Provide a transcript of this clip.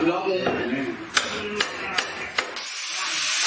อันดับที่สุดท้ายก็จะเป็น